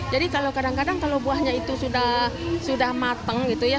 jadi kalau kadang kadang kalau buahnya itu sudah mateng gitu ya